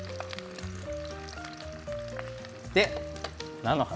で、菜の花。